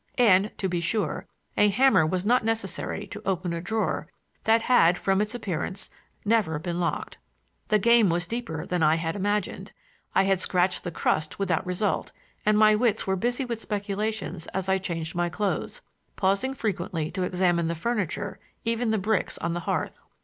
And, to be sure, a hammer was not necessary to open a drawer that had, from its appearance, never been locked. The game was deeper than I had imagined; I had scratched the crust without result, and my wits were busy with speculations as I changed my clothes, pausing frequently to examine the furniture, even the bricks on the hearth.